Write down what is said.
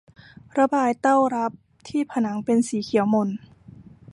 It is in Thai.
ระบายเต้ารับที่ผนังเป็นสีเขียวหม่น